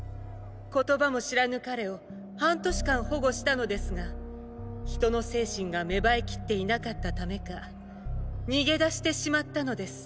言葉も知らぬ彼を半年間保護したのですが人の精神が芽生えきっていなかったためか逃げ出してしまったのです。